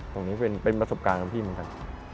ตรงนี้เป็นประสบการณ์ของพี่เหมือนกัน